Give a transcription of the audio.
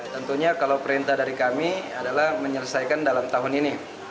tentunya kalau perintah dari kami adalah menyelesaikan dalam tahun ini